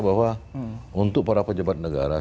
bahwa untuk para pejabat negara